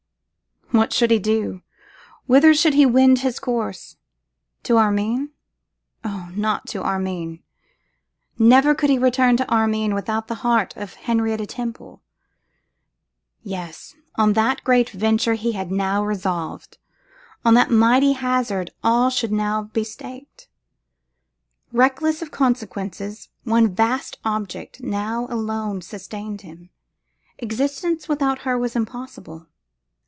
What should he do! whither should he wend his course? To Armine? Oh! not to Armine; never could he return to Armine without the heart of Henrietta Temple. Yes! on that great venture he had now resolved; on that mighty hazard all should now be staked. Reckless of consequences, one vast object now alone sustained him. Existence without her was impossible!